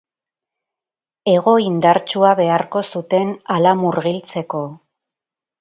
Ego indartsua beharko zuten hala murgiltzeko.